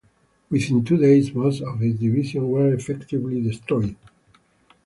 Within two days, most of his divisions were effectively destroyed.